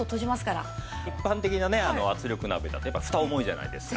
一般的なね圧力鍋だとやっぱりフタ重いじゃないですか。